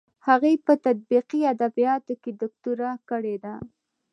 هغې په تطبیقي ادبیاتو کې دوکتورا کړې ده.